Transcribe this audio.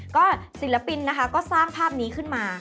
ก็ศิลปินนะคะก็สร้างภาพนี้ขึ้นมา